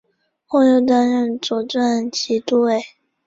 后来又担任左转骑都尉。